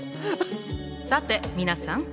さて皆さん。